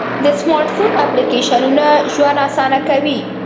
د سمارټ فون اپلیکیشنونه ژوند آسانه کوي.